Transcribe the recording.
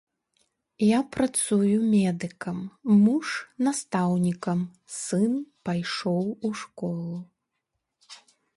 Я працую медыкам, муж настаўнікам, сын пайшоў у школу.